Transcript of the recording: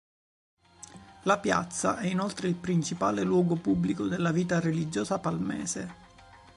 La piazza è inoltre il principale luogo pubblico della vita religiosa palmese.